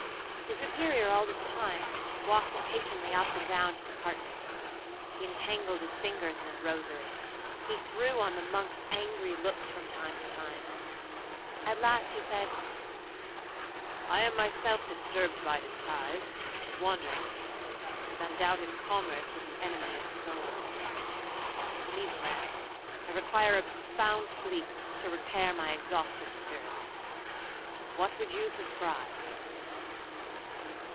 'The Superior all this time walked impatiently up and down his apartment. He entangled his fingers in his rosary,—he threw on the monks angry looks from time to time; at last he said, 'I am myself disturbed by his cries,—his wanderings,—his undoubted commerce with the enemy of souls. I need rest,—I require a profound sleep to repair my exhausted spirits,—what would you prescribe?'